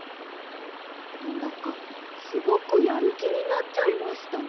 なんだかすごくやるきになっちゃいましたね。